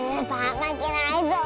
まけないぞ！